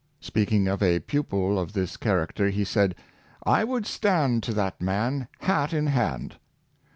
Speaking of a pupil of this character, he said, "I would stand to that man hat in hand."